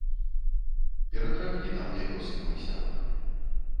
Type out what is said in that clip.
Ператрахні там нябёсы, мой сябар.